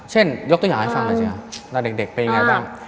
เช่นยกตัวอย่างให้ฟังกันเชียวเราเด็กไปยังไงบ้าง